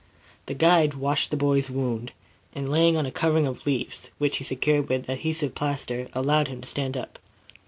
The guide washed the boy's wound, and, laying on a covering of leaves, which he secured with adhesive plaster, allowed him to stand up.